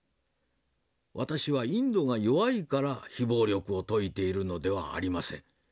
私はインドが弱いから非暴力を説いているのではありません。